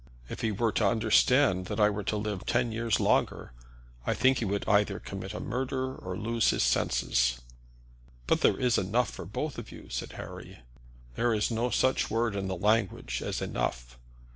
If he were to understand that I were to live ten years longer, I think that he would either commit a murder or lose his senses." "But there is enough for both of you," said Harry. "There is no such word in the language as enough.